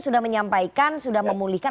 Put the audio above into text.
sudah menyampaikan sudah memulihkan